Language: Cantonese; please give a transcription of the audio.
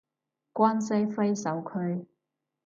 關西揮手區